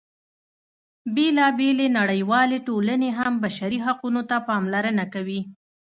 بېلا بېلې نړیوالې ټولنې هم بشري حقونو ته پاملرنه کوي.